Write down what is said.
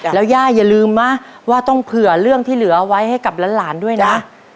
แล้วย่าอย่าลืมนะว่าต้องเผื่อเรื่องที่เหลือไว้ให้กับหลานด้วยนะ